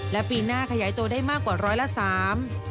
และปีหน้าขยายตัวได้มากกว่า๑๐๓